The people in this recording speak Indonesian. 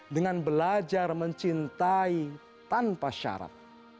dengan belajar mencintai tanpa syarat